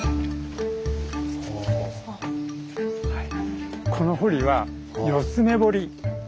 はい。